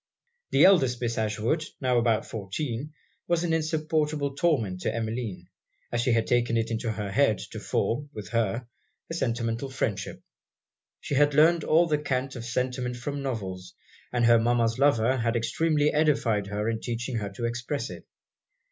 The eldest Miss Ashwood, now about fourteen, was an insupportable torment to Emmeline, as she had taken it into her head to form, with her, a sentimental friendship. She had learned all the cant of sentiment from novels; and her mama's lovers had extremely edified her in teaching her to express it.